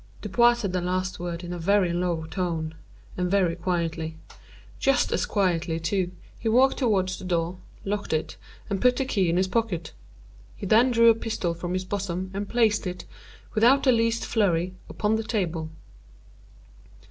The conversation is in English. Dupin said the last words in a very low tone, and very quietly. Just as quietly, too, he walked toward the door, locked it and put the key in his pocket. He then drew a pistol from his bosom and placed it, without the least flurry, upon the table.